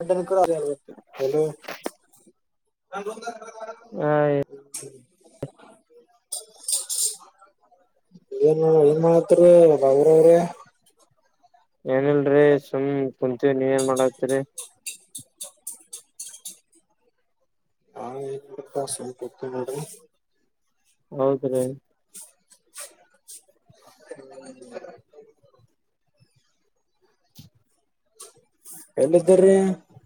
ಆ ದಿನಗೂಲಿ, ಆರನೂರು, ಐವತ್ತು, ಎಲ್ಲಿ? [unintelligible] ಹಾ, ಹೇ.. [unintelligible] ಹ್ಮ್ಮ್. [unintelligible] ಏನು, ಏನು, ಮಾಡತ್ರಿ, ಅವ್ರವ್ರೇ. [unintelligible] ಏನಿಲ್ರೀ, ಸುಮ್ ಕುಂತೀವಿ! ನೀ ಏನ್ ಮಾಡತ್ರಿ. [inaudible] ಹಾ, ನಾನುಯೆನ್, ಕುಡುಕ್ಕ, ಸುಮ್ನೆ, ಕುಂತುವನ್ನಿ. ನೋಡುರಿ. [unintelligible] ಹೌದ್ರೀ. [inaudible] [unintelligible] [inaudible] [unintelligible] [inaudible] ಹೇಳಿದಿರಿ. [unintelligible]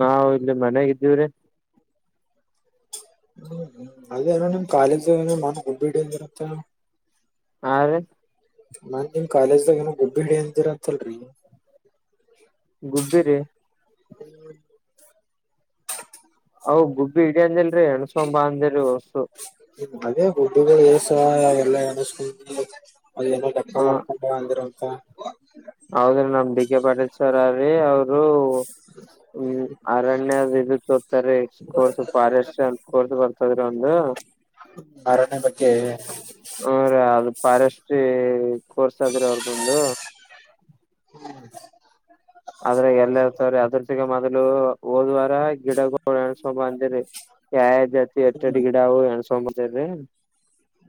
ನಾವು, ಇಲ್ಲಿ, ಮನಾಗಿದ್ದೀವ್ರೀ? [unintelligible] ಹ್ಮ್, ಅದೇಲ್ಲ ನಿಮ್, ಕಾಲೇಜ್ ಅವರಿಗೆ, ಮಾತುಕುಭೂಬಿಡಿಬಂಧುಬಿಡಿತೇ. [unintelligible] ಆ [inaudible] ನಾನ್, ನಿಮ್ ಕಾಲೇಜ್ದಾಗ ಏನೋ, ಗುಬ್ಬಿಡಿ ಎದಿರಂತಲ್ರಿ. [unintelligible] ಗುಬ್ಬಿರಿ ಹ್ಮ್. [unintelligible] ಅವ,, ಗುಬ್ಬಿ ಇಡಿ, ಅಂದಿಲ್ರರಿ, ನೆನೆಸಿಕೊಂಡು ಬಾ, ಅಂದಿರೀ ಹೊಸ್ಸು. [unintelligible] ಅದೇ, ಗುಡ್ಡಿಗಳು, ಎ ಸಹ ಎಲ್ಲ ಸುಂಗಿ. [unintelligible] ಅದು ಏನಕ್ಕೆ ಅರ್ಥ! ಹ ಮಾಡ್ಕೊಂಡು ಬಾ ಅಂದಿರಂತೆ? [unintelligible] ಹೌದ್ರಿ, ನಮ್ ಡಿ, ಕೆ ಪಟೇಲ್ ಸಾರು! ಅವರೆ, ಅವರು? [unintelligible] ಹ್ಮ್, ಅರಣ್ಯ ವಿದುಕೂ. [unintelligible] ಅದೇ ರೀ, ಶುಕ್ರವಾರ ಹಾರೈಸಿ ಕೋರ್ಟ್, ಬರುತ್ತದೆ ಒಂದು. [unintelligible] ಅರಣ್ಯ ಬಗ್ಗೆ. [unintelligible] ಹು, ರಿ, ಅದು ಫಾರೆಸ್ಟ್ರಿ ಕೋರ್ಸ್ ಆದ್ರಿ ಹೌದು ಒಮ್ಮೆ. [unintelligible] ಹ್ಮ. [unintelligible] ಆದದ್ರಾಗ ಎಲ್ಲ ಇರ್ತವ್ರ ಅದ್ರ ಜಿಗೆ ಮೊದ್ಲು ಓದುವಾಗ ಗಿಡ, ಗಿಡ ನೆನ್ಸ್ಕೊಂಡ್ ಬಂದೀರಿ! ಏ, ಹೇ, ಎತ್ತು, ಎತ್ತು, ಹ್ಮ್ ಇಡು, ಗಿಡ, ಇದು. ಏನುಶ್.. [unintelligible] ತಗೋ ಬಂದೀರಿ. [unintelligible]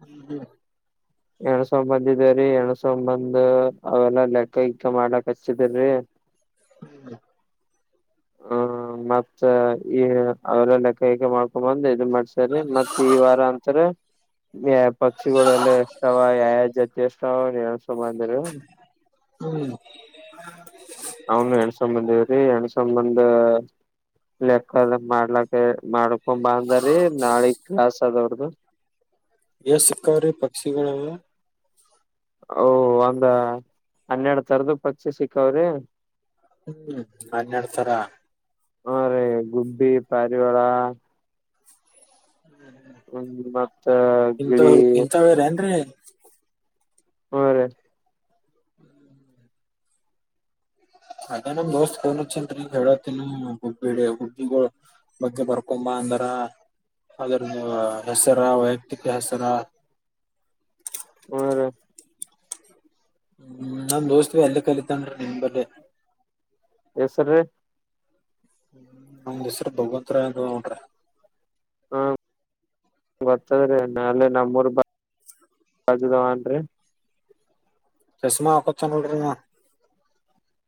ಹ್ಮ್ಮ್, ಹೂ. [unintelligible] ಎಣಿಸಿಕೊಂಡು, ಬಂದಿದ್ದೀರಿ, ಎನಿಸಿಕೊಂಡು ಬಂದು ಅವೆಲ್ಲಾ ಲೆಕ್ಕ ಇಕ್ಕ ಮಾಡ್ಲಾಕ್ ಹಚ್ಚಿದಿರಿ. [unintelligible] ಹ್ಮ. [unintelligible] ಹ್ಮ, ಮತ್ತ, ಈ ಅವ್ರ ಲೆಕ್ಕ ಕಿಕ್ಕ? ಮಾಡ್ಕೊಂಡು, ಬಂದು ಇದು, ಮಾಡು. [unintelligible] ಸರಿ, ಮತ್ತು, ಈ ವಾರ ಅಂತಾರೆ? [unintelligible] ಹೇ, ಪಕ್ಷಿಗಳೆಲ್ಲ ಎಷ್ಟಾವ! ಯಾವಾವ ಜೊತಿ ಎಷ್ಟಾವ ಎಣಿಸ್ಕೊಂಡು? ಬಂದೀರಿ. [unintelligible] ಹ್ಮ್. [unintelligible] ಅವನು, ಎಣಿಸ್ಕೊಂಡ್ ಬಾಂಧಾರಿ,, ಎಣಿಸಿಕೊಂಡು ಬಂದ ಲೆಕ್ಕದ ಮಾಡ್ಲಾಕ್ಕೆ? [unintelligible] ಮಾಡ್ಕೊ, ಬಾ ಅಂದರಿ, ನಾಳೆ, ಕ್ಲಾಸ್ ಅದೇ, ಅವರುಧೂ. [unintelligible] ಎ, ಸಿಕ್ಕವರೆ, ರಿ, ಪಕ್ಷಿಗಳೆಲ್ಲ. [unintelligible] ಓ, ಒಂದ, ಹನ್ನೆರಡು, ತರಧು, ಪಕ್ಷಿ ಸಿಕ್ಕಾವ್ರಿ? [unintelligible] ಹ್ಮ್, ಹನ್ನೆರಡು ತರ? [unintelligible] ಹಾ ರೀ ಗುಬ್ಬಿ ಪಾರಿವಳ ಹ್ಮ್ ಮತ್ತ ಗಿಳಿ ಇಂಥವ್ ಇಂಥವೇರೇನ್ರಿ ಹ ರ ಅದ ನಮ್ಮ ದೋಸ್ತ್ ಕನ್ ಅ ಹೇಳಳ್ ಹುಬ್ಿ ಬಗ್ಗೆ ಬರ್ಕೊ್ ದರ ಅದ್ರ ಹೆಸರ ವೈಯಕ್ತಿಕ ಹೆಸರ ಹ್ಮ ರೀ ಹ್ಮ್ ನನ್ ದೋಸ್ತ್ವಿ ಎಲ್ಲ ಕಲಿತನ್ೀ ನಿಮ ಬಲ್ಲ ಎಸರೀ ನಮ ಹೆಸರು ಭಗವತ್ರ ಅ ನೋಡ್ರಿ ಹಾ ಬರ್ತದ್ರೀ ಅಲ್ಲೇ ನಮ್ಮೂರ್ವನ್ರಿ ಚಶಾಮಾ ಹಕೋಟನ್ ನೋಡ್ರೀ ಅವ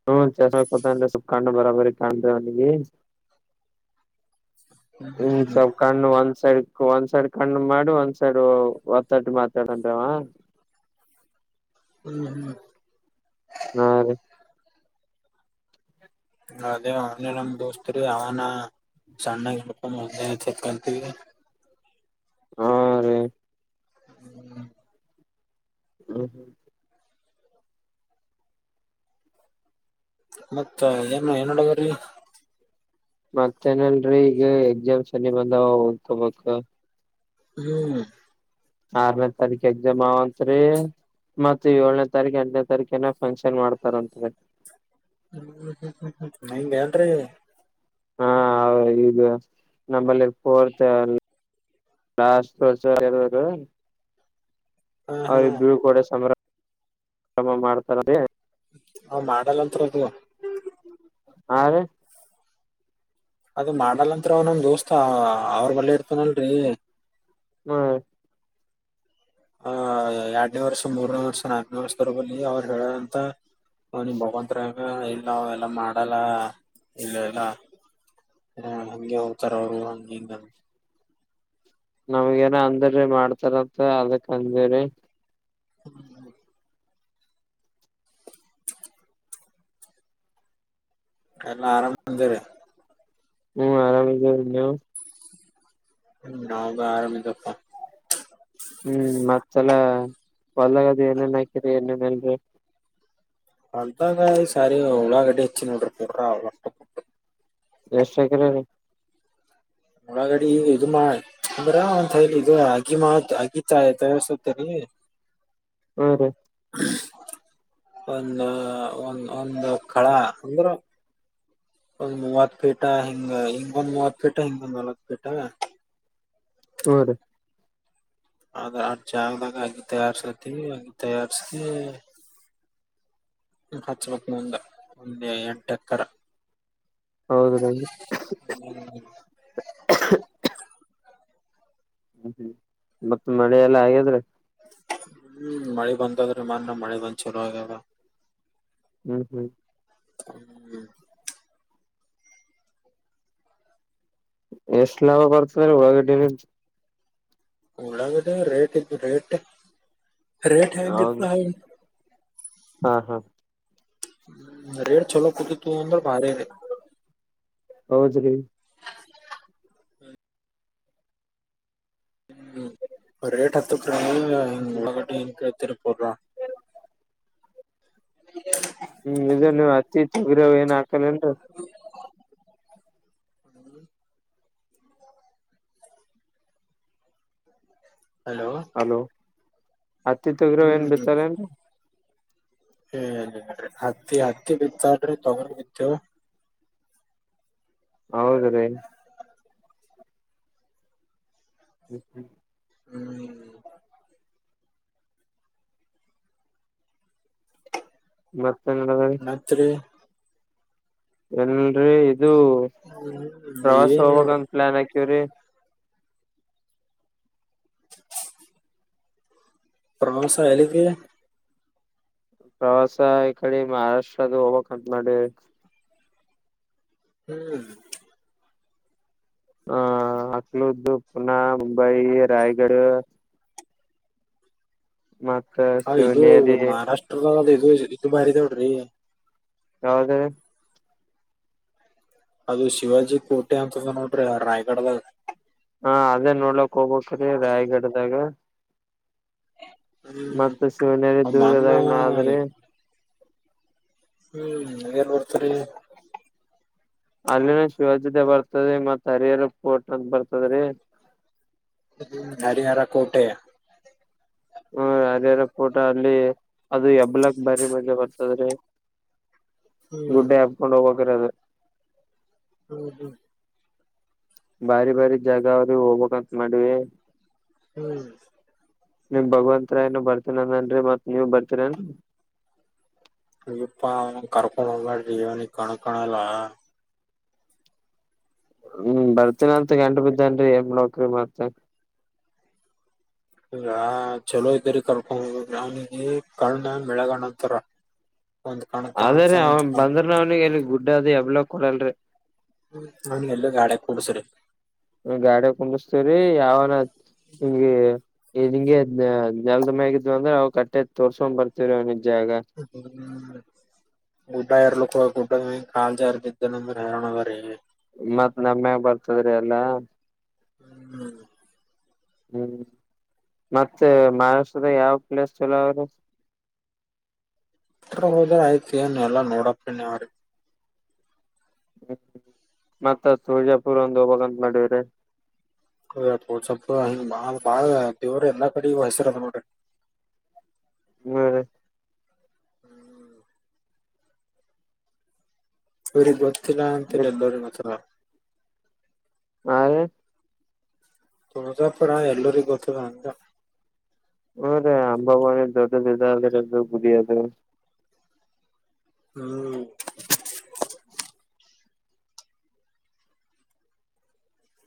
ಹ್ಮ ಚಸ್ಕತ ಅಂದ್ರೆ ಸೊಪ್ಪ ಕಾಣ ಬರಾಬರಿ ಕಾಣ್ರ ಅವನಿಗೆ ಹ್ಮ್ ಇಸ ಕ ಅನ್ಸರ್ [unintelligible] ಒಂದ್ ಸೈಡ್ ಕಣ್ಣು ಮಾಡಿ ಒಂದ್ ಸೈಡ್ ಒತ್ತಟ ಮಾತಾಡಂಟವ [inaudible] ಮಹದ [unintelligible] ಹಾ ರೀ ಅದೇ ಅ ನಾಮ ದೋಸ್ತರಿ ಆವನ ಸಣ್ಣಪ್ಪ ಮೊದ್ ಚತ್ಕಂತೀವಿ ಹಾ ರೀ ಹ್ಮ ಹ್ಮ್ ಹ್ಮ್ ಮತ್ತ ಏನ್ ಏನಡಗೀ ಮತ್ತೇನಲ್ರರಿ ಈಗ ಎಕ್ಸಾಮ್ ಸನಿ ಬಂದಾವ ಹೊೋಗ್ಕೊಬೇಕ ಹ್ಮ್ ಆರನೇ ತಾರೀಖ ಎಕ್ಸಾಮ್ ಅವಂತ್ ರೀ ಮತ್ತ ಏಳನೇ ತಾರೀಕ ಎಂಟನೇ ತಾರೀಕ ಏನ ಫಂಕ್ಷನ್ ಮಾಡ್ತಾರಂತ್ರ ನೀಗೆಲ್ರಿೀ ಹಾ ಈಗ ನಂಬಲ್ಲಿ ಕೋರ್ತಲ್ಲ ನಾಸ್ತುಸ ಹಾ ಹಾ ಅವ್ರಬ್ರುೂ ಕೂಡ ಸಮ್ರ್ರ ಮಾಡ್ತಾರ ಹ ಮಾಡಲ್ಲಂತರದು ಹ ಅದ ಮಾಡಲ್ಲಂತ್ರಿ ಅವ್ ನಮ್ ದೋಸ್ತ ಅವ್ರ ಬಲ್ಲ ಇರ್ತನಲ್ರಿ ಹ್ಮ ಆ ಎರಡನೇ ವರ್ಷ ಮೂರನೇ ವರ್ಷ ನಾಲ್ಕನೇ ವರ್ಷದವರಬಲ್ಲಿ ಅವರು ಹೇಳ ಅಂತ ಹ ನಿಮ್ ಭಗವಂತರ ಇಲ್ಲ ನಾವ್ ಎಲ್ಲಾ ಮಾಡಲ್ಲ ಇಲ್ಲ ಎಲ್ಲ ಹ ಹಗೆ ಹೋಗ್ತಾರ ಅವರು ಹಂಗ ನಮ್ಗ ಏನ ಅಂದ್ರೀ ಮಾಡ್ತಾರಂತ ಅದಕ್ ಅಂದಿರಿೀ ಹ್ಮ ಎಲ್ಲ ಆರಾಮ ಅಂದವೆ ಹ್ಮ್ ಆರಾಮ ಇದ ನೀವು ್ಮ ನೌಗೆ ಆರಾಮ ತಪ್ಪ [unintelligible] ಹ್ಮ್ ಮತ್ತೆಲ್ಲ ಹಓ ಅಂತಾಗ ಈ ಸಾರಿ ಅವಳಾಗಡ್ಡಿ ಹೆಚ್ಚಿ ನೋಡ್ರಿ ಪ್ರ ಅವಳಷ್ಟ ಎಷ್ಟಕ್ರ ಒಳಗಡಿ ಇದು ಮಾ ಅಂದ್ರ ಒಲಿ ಇದು ಅಗ್ಗಿ ಮಾತ್ ಅಗಿ ಚಾಯ ತಯಸುತ್ತರಿ ಹ್ಮ ರೀ ಒಂದು ಒ ಒಂದು ಕಳ ಅಂದ್ರ ಒಂದ್ ಮೂವತ್ ಫೀಟ ಹಿಂಗ ಹಿಂಗೊಂದ್ ಮೂವತ್ಫೀಟಾ ಹಿಂಗೊಂದ್ ನವತ್ ಪೀಟಾ ಹ್ಮ್ಮ್ ರಿ ಆದ್ರ ಅ್ರ ಜಾಗದಾಗ ಆಗ್ಿ ತಯಾರ್ಸತಿವಿ ಅಗಿ ತಯಾರ್ಸ ಹಚ್ಬೇಕಕ್ ನಂದ ಒಂದ ಎಂಟ ಎಕರ ಹೌದ [unintelligible] ಹ್ಮ್ ಹ್ಮ್ ಮತ್ತ ಮಳೆಲ್ಲಾ ಹಾಗೆದ್ರಿ ಹ್ಮ್ ಮಳೆ ಬಂದದ್ರಿ ಮಳೆ ಬಂದ್ ಚಲೋ ಆಾಗದ ಹ್ಮ್ ಹ್ಮ್ ಹ್ಮ್ [unintelligible] ಎಷ್ಟ್ ಲಾಭ ಬರ್ತದೆ ಒಳಗಡ್ಡ ಉಳ್ಳಾಗಡ್ಡಿ ರೇಟ್ ಇ ರೇಟ್ ರೇಟ್ ಹಂಗ್ ಹೌದು ಇರ್ತದ ಹಂಗ್ ಹಾ ಹಾ ್ಮ ರೇಟ್ ಚಲೋ ಕೂುದುು ತು ಅಂದ ಭ ಹೌದ್ರಿ [unintelligible] ಹ್ಮ್ ರೇಟ್ ಹತ್ತದೆ ಉಳಗಡ್ಡಿ ತಿರಪುರ ಹ್ಮ್ ಇದು ನೀವ್ ಹತ್ತಿ ತೊಗಿರವ್ ಏನ್ ಹಾಕಲೇನ್ರಿ ಹ್ಮ [unintelligible] ಹಲೋ ಹತ್ತಿತ ಇರೋರು ಏನ್ ಬೆಳಿತಾರೆ ಹ್ಮ್ ಹತ್ತಿ ಹತ್ತಿ ಬಿತ್ತಲ್ರಿ ತಗೊಂಡ ಬಿತ್ತವ ಹೌದ ರೀ ಹ್ಮ ಹ್ಮ [unintelligible] ಹ್ಮ್ ಬ [unintelligible] ಮತ್ತರಿ ಏನ್ರ ಇದು ಹ್ಮ್ ಪ್ರವಾಸ ಏನ್ ಹೋಗಾಗಂದ ಪ್ಲಾನ್ ಆಾಕವ್ರಿ ಪ್ರವಾಸ ಎಲ್ಲಿಗ್ರಿ ಪ್ರವಾಸ ಈ ಕಡೆ ಮಹಾರಾಷ್ಟ್ರದು ಹೋಗಕ್ಂತ ಮಾಡಿವಿ ಹ್ಮ್ ಹ ಅಕ್ಲೂ ಪುನ ಮುಂಬೈ ರಾಯಗಡ ಹ ಇದು ಶಿವನೇರಿ ಮಹಾರಾಷ್ಟ್ರದ ಇದು ಇದು ಬಾರಿ ಇದಾವಡ್ರಿ ಯಾವದ ಅದು ಶಿವಾಜಿ ಕೋಟೆ ಅಂತಂದ ನೋಡ್ರಿ ರಾಯ್ಗಡದಾಗ ಹಾ ಅದೇ ನೋಡ್ಲಕ್ ಹೋಗ್ಕ್್ರೀ ರಾಯ್ಗಡದಾಗ ಹ್ಮ್ ಮತ್ತ ಶಿವನ ಅವ ಮನ್ನ ದುರ್ಗದಾಗನ ಆದ್ರೆ ಹ್ಮ್ ಏನ್ ಮರ್ತರಿ ಅಲ್ಲಿನ ಶಿವಾಜತೆ ಬರ್ತದೆ ಮತ್ ಹರಿಹರ ಪೋರ್ಟ್ ಅಂತ ಬರ್ತದ್ರಿ ಹ್ಮ ಹರಿಹಾರ ಕೋಟೆಯ ಹ್ಮ ಅದ್ಯಾರ ಫೋಟ ಅಲ್ಲಿ ಅದು ಯಬ್ಲಕ್ ಬಾರಿ ಮದೆ ಬರ್ತದ್ರಿ ಹ್ಮ್ ಗುಡ ಆತ್ಕೊಂಡು ಹೋಗ್ಬೇಕ್ರಿ ಅದು ಹ್ಮ್ ಹ್ಮ್ ಬಾರಿ ಬಾರಿ ಜಾಗ ಅವ್ರಿ ಹೋಗ್ಬಕ್ಂತ ಮಾಡವಿ ಹ್ಮ್ ನೀಮ್ ಭಗವಂತರಾಯನು ಬರ್ತೀನನನ್ರಿ ಮತ್ ನೀವ ಬರ್ತೀರನ್ರಿ ಅ್ಯಪ್ಪಾ ಅವ ಕರ್ಕೊಂಡ್ ಹೋಗ್ಬ್ಯಾಡ್ರಿ ಇವನಿ ಕಣಕಣಲ್ಲ ಹ್ಮ್ ಬರ್ತೀನ ಅಂತ ಗಂಡು ಬಿದ್ದನ್ರಿ ಹೆಮ ನಕಿ ಮತ ಹಾ ಚಲೋ ಇದ್ದರಿ ಕರ್ಕೊಂಡ ಗ್ರಾವನಿಗೆ ಕಣ್ಣ ಮಳಗಣ ಅಂತರ ಅದೇ ರೀ ಅವನ್ ಬಂದ್ರ ಅವ್ನಿಗೆ ಎಲ್ಲಿ ಗುಡ್ಡ ಅದು ಯಬ್ಲ ಕೊಡಲ್ರಿ ಹ್ಮ ನಗೆ ಎಲ್ಲ ಗಾಡ ಕೂಡ್ಸ್ರಿ ಗಾಡ ಕುಂಡಸ್ತೇವ್ರೀ ಯಾವನ ಹಿಂಗಿ ನಿಂ ನೆಲ್ದ ಮ್ಯಗಿದತ್ತು ಅಂದ್ರೆ ಅವು ಕಟ್ಟೆ ತೋರ್ಸ್ಕೊಂಡ್ ಬರ್ತವ ಹ್ಮ ಗಡಾಯರ ಲಕ ಆಗ ಕಾಲ್ ಜಾರ್ ಬಿದ್ದೆ [unintelligible] ಮತ್ತ್ ನಮ್ಮ್ಯಾಗ ಬರ್ತದ್ರಿ ಎಲ್ಲಾ. ಹ್ಮ ಹ್ಮ್ ಹ್ಮ್ ಮತ್ತೆ ಮಹಾರಾಷ್ಟ್ರದ ಯಾವ ಪ್ಲೇಸ್ ಚಲೋ ಅವ್ರ [unintelligible] ಹತ್ರ ಹೋದ್ರ ಆಯ್ತ ಏನ್ ಎಲ್ಲಾ ನೋಡಪ್ಪನಿ ಅವ್ರಿಗೆ ಹ್ಮ್ ಮತ್ತಜಾಪುರ್ ಒಂದು ಹೋಗಾಗಂತ ಮಾಡ್ರೆ ಸಪ್ಪ ಸ್ವಪ ಹಿಂಗಾ ಬಾಳ ದೇವ್ರ ಎಲ್ಲಾ ಕಡಿಗು ಹೆಸರು ಅದ ಬಿಡ್ರಿ. ಹ್ಮ್ [inaudible] [unintelligible] ಹಾ ತುಳಸಪುರ ಎಲ್ಲರಿ ಗೊತ್ತದ ಅಂದೆ ಹ ರೇ ಅಂಬಿ ದೊಡ್ಡದುದದು ಗುಡಿಯದು ಹ್ಮ್ [unintelligible]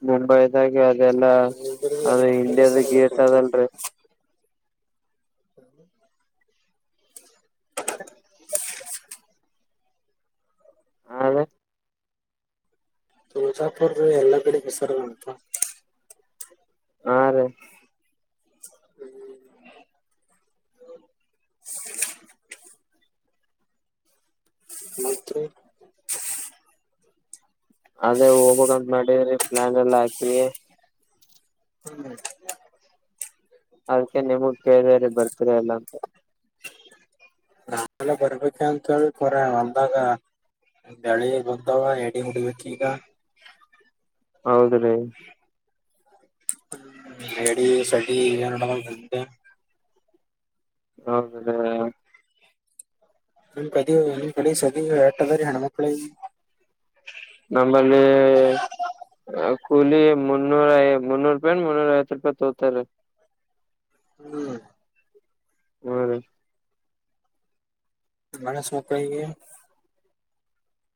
ಮುಂಬೈದಾಗ ಅದೆಲ್ಲಾ ಗುಲ್ಬರ್ಗ ಅದು ಎಲ್ಲಾ ಕಡೆ ಇಂಡಿಯಾದ ಗೇಟ್ ಅದಲ್ರಿ. ಹ ಹಾ [unintelligible] ತುಜಾಪುರ್ ಎಲ್ಲಾ ಕಡೆ ಬಸರ ಮಾಡಂತ ಹಾ ರೀ [inaudible] ಮತ್ರಿ ಅದೇ ಹೋಗಬಕ್ಂತ ಮಾಡಿದರಿ ಪ್ಲಾನ್ ಎಲ್ಲಾ ಹಾಕಿ [unintelligible] ಅದಕ್ಕೆ ನಿಮಗ್ ಕೇಳರಿ ಬರ್ತರ ಎಲ್ಲ ಅಂತ. ನಾವೆಲ್ಲ ಬರ್ಬೇಕ ಅಂತೇಳಿ ಕೊರ ಒಂದಾಗ ಬೆಳಿ ಗೊತ್ತಾವ ಎಡಿ ಹೊಡಿಬೇಕ್ ಈಗ ಹೌದ್ರೀ ಲೇಡಿ ಸಡಿ [unintelligible] ಬಂತ ಹೌದ [unintelligible] ನಿನ್ ಕಡಿ [unintelligible] ಹಣ ಮಕ್ಕಳೇ ಇಲ್ಲಿ. ನಮ್ಮಲ್ಲಿ ಕೂಲಿ ಮುನ್ನೂರ ಐ ಮುನ್ನೂ ರೂಪಾಯಿ ಮುನ್ನೂರ ಐವತ್ತು ರೂಪಾಯಿ ತೋತಾರೆ. ಹ್ಮ್ ಹ್ಮ್ [unintelligible]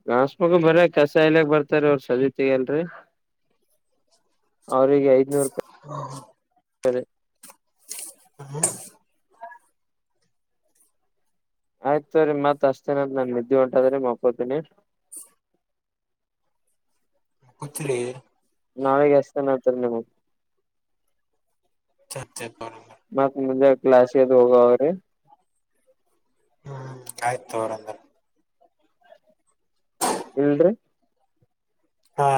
ಗಾಸ್ ಮಗ ಬರ ಕಸಾಯಲಕ್ ಬರ್ತಾರ ಅವ್ರ ಸಗನೀ ತೆಗ್ಯಲ್ರ್ಲಿ. [inaudible] ಸರಿ [inaudible] ಆಯ್ತತ್ ರಿ ಮತ್ ಅಷ್ಟತೇನದ ನನ್ ನಿದ್ದೆ ಹೊಂಟಾದ್ರೆ ಮಕೋತೀನಿ. [inaudible] ಕುತ್ರಿ ನಾಳೆಗೆ ಎಷ್ಟನ ಅಚ್ರಿ ನೀವು. [inaudible] [unintelligible] ಕ್ಲಾಸಿಗ್ ಹೋಗ ಅವರೇ ಹ್ಮ್ ಆಯ್ತು ನೋಡಂಗರೆ ಇಲ್ರಿ ಹಾ